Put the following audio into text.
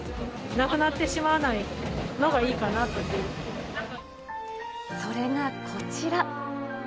なくなってしまわないのがいいかそれがこちら。